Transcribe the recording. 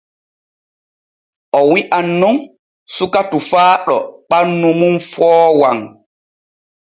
O wi’an nun suka tofaaɗo ɓannu mum foowan.